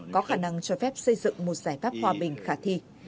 có khả năng cho phép xây dựng một giải pháp hòa bình khả thi